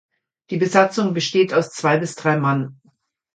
Die Besatzung besteht aus zwei bis drei Mann.